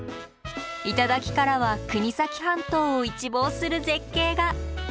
頂からは国東半島を一望する絶景が。